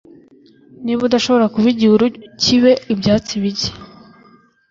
niba udashobora kuba igihuru kibe ibyatsi bike